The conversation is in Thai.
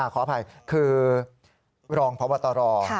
ขออภัยคือรองพบตร